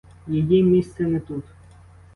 Її місце не тут.